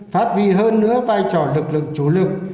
phát huy hơn nữa vai trò lực lực chủ lực